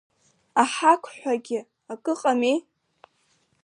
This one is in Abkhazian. Аҳақ ҳәагьы акы ыҟами!